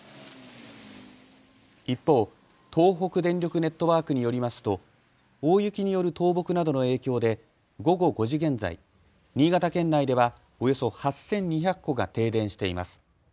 一方、東北電力ネットワークによりますと大雪による倒木などの影響で午後５時現在、新潟県内ではおよそ８２００戸が停電しています。